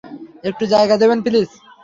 একটু জায়গা দেবেন, প্লিজ?